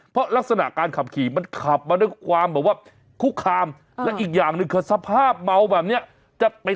เพราะลักษณะการขับขี่มันขับมาด้วยความแบบว่า